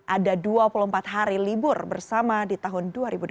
ada dua puluh empat hari libur bersama di tahun dua ribu dua puluh